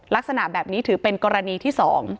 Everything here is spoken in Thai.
ลักษณะแบบนี้ถือเป็นกรณีที่๒